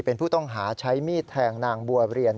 เป็นผู้ต้องหาใช้มีดแทงนางบัวเรียน